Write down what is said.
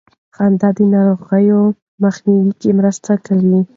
خندا د ناروغیو مخنیوي کې مرسته کوي.